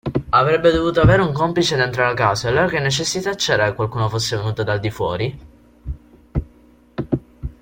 Avrebbe dovuto avere un complice dentro la casa e allora che necessità c'era che qualcuno fosse venuto dal di fuori?